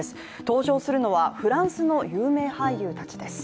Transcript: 登場するのはフランスの有名俳優たちです。